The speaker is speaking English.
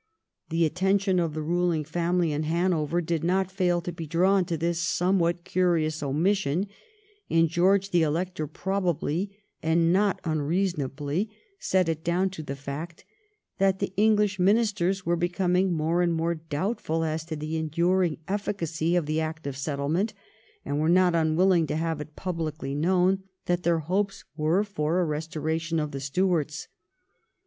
The attention of the ruling family in Hanover did not fail to be drawn to this somewhat curious omission, and George the Elector probably, and not unreasonably, set it down to the fact that the English Ministers were becoming more and more doubtful as to the enduring efficacy of the Act of Settlement, and were not unwilling to have it publicly known that their hopes were for a restoration of the Stuarts.